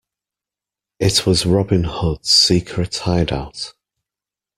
It was Robin Hood's secret hideout.